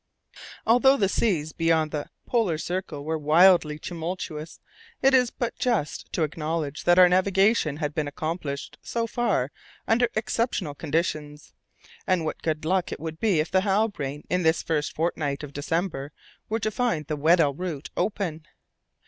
Although the seas beyond the Polar Circle were wildly tumultuous, it is but just to acknowledge that our navigation had been accomplished so far under exceptional conditions. And what good luck it would be if the Halbrane, in this first fortnight of December, were to find the Weddell route open!